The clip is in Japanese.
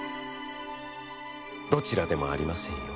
「どちらでもありませんよ。